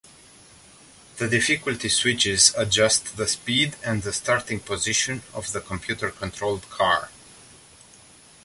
The difficulty switches adjust the speed and the starting position of the computer-controlled car.